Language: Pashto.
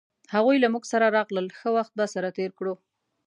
هغوی له مونږ سره راغلل ښه وخت به سره تیر کړو